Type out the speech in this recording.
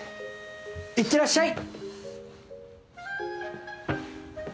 いってらっしゃい！